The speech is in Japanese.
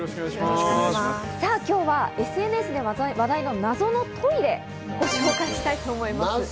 今日はＳＮＳで話題のナゾのトイレを紹介したいと思います。